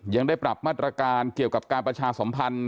ยังได้ปรับมาตรการเกี่ยวกับการประชาสมพันธ์